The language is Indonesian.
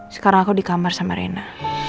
sekarang aku dikamar sama rena